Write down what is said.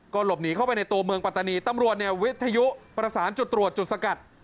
หลบหนีเข้าไปในตัวเมืองปัตตานีตำรวจเนี่ยวิทยุประสานจุดตรวจจุดสกัด